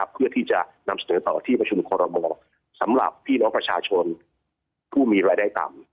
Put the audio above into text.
เพื่อที่จะนำเสนอต่อที่ประชุมคอรมอสำหรับพี่น้องประชาชนผู้มีรายได้ต่ำ